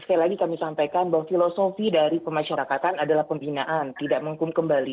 sekali lagi kami sampaikan bahwa filosofi dari pemasyarakatan adalah pembinaan tidak menghum kembali